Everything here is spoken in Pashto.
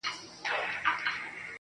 چي ديـدنونه پــــه واوښـتل.